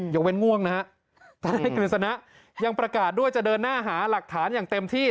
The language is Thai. เว้นง่วงนะฮะทนายกฤษณะยังประกาศด้วยจะเดินหน้าหาหลักฐานอย่างเต็มที่